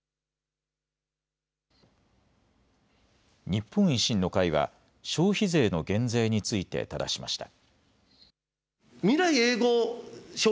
日本維新の会は消費税の減税についてただしました。